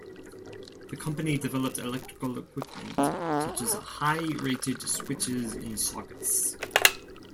The company developed electrical equipment such as high rated switches and sockets.